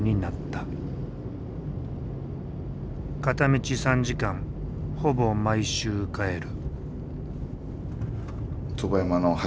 片道３時間ほぼ毎週帰る。